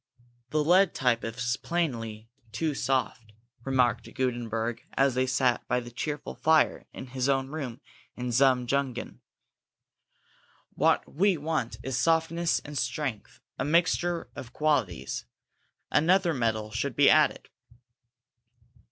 "The lead type is plainly too soft," remarked Gutenberg as they sat by the cheerful fire in his own room in the Zum Jungen. "What we want is softness and strength, a mixture of qualities. Another metal should be added."